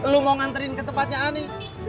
lo mau nganterin ke tempatnya ani